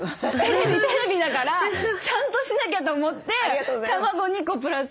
テレビだからちゃんとしなきゃと思って卵２個プラス。